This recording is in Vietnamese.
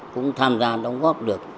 cũng tham gia đóng góp được